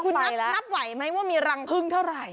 คุณนับไหวไหมว่ามีรังพึ่งเท่าไหร่